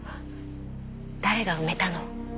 誰が埋めたの？